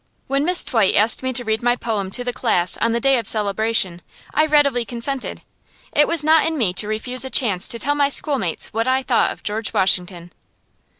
When Miss Dwight asked me to read my poem to the class on the day of celebration, I readily consented. It was not in me to refuse a chance to tell my schoolmates what I thought of George Washington.